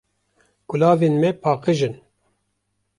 Kulavên me paqij in.